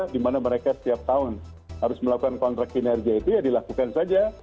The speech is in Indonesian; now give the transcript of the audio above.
dimana mereka setiap tahun harus melakukan kontrak kinerja itu ya dilakukan saja